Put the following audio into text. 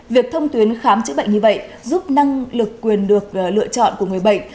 việc thông tuyến khám chữa bệnh như vậy giúp năng lực quyền được lựa chọn của người bệnh